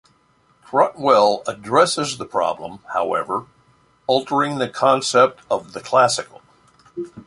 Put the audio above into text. Cruttwell addresses the problem, however, altering the concept of the classical.